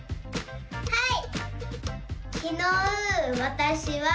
はい！